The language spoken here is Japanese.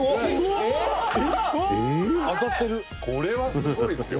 「これはすごいですよ」